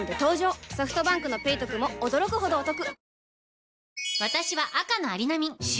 ソフトバンクの「ペイトク」も驚くほどおトク